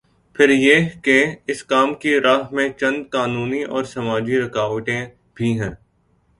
پھر یہ کہ اس کام کی راہ میں چند قانونی اور سماجی رکاوٹیں بھی ہیں۔